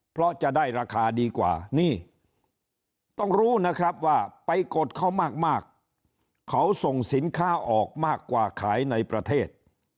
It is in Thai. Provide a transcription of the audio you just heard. เพราะจะได้ราคาดีกว่านี่ต้องรู้นะครับว่าไปกดเขามากเขาส่งสินค้าออกมากว่าขายในประเทศ